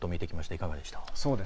いかがでした？